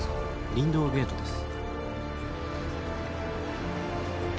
林道ゲートです。